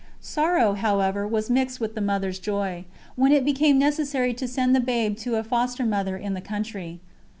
Sorrow, however, was mixed with the Mother's joy, when it became necessary to send the babe to a foster mother in the country.